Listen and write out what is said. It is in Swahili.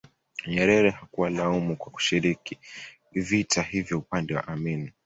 Nyerere hakuwalaumu kwa kushiriki vita hivyo upande wa Amin